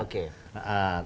nggak bisa beda